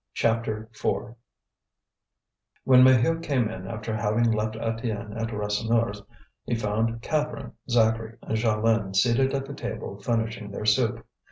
CHAPTER IV When Maheu came in after having left Étienne at Rasseneur's, he found Catherine, Zacharie, and Jeanlin seated at the table finishing their soup.